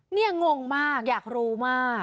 นี่งงมากอยากรู้มาก